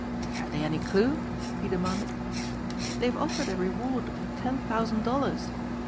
"Have they any clue?" he demanded. "They have offered a reward of ten thousand dollars.